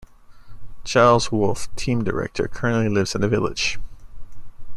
Giles Wolfe Team Director currently lives in the village.